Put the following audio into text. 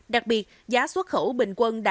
đặc biệt giá xuất khẩu bình thường